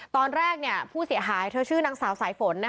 ตอนแรกผู้เสียหายเธอชื่อนางสาวสายฝน